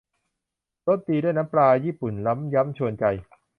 รสดีด้วยน้ำปลา ญี่ปุ่นล้ำย้ำยวนใจ